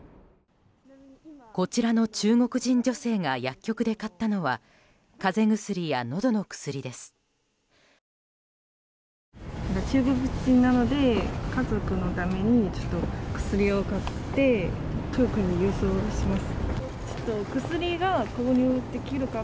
こちらの中国人女性が薬局で買ったのは風邪薬や、のどの薬です。